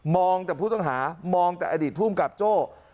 มองแต่ผู้ต้องหามองแต่อดีตผู้กรรมกับโจ้